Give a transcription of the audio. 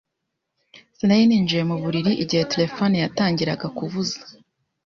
Sinari ninjiye mu buriri igihe telefone yatangiraga kuvuza.